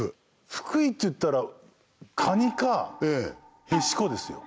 福井っていったらかにかへしこですよ